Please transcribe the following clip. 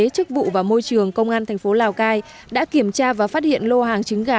chức vụ và môi trường công an thành phố lào cai đã kiểm tra và phát hiện lô hàng trứng gà